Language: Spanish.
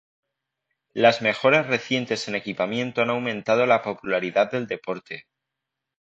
Las mejoras recientes en equipamiento han aumentado la popularidad del deporte.